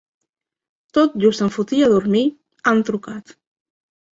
Tot just em fotia a dormir, han trucat.